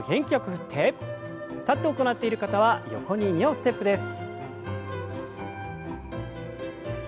立って行っている方は横に２歩ステップです。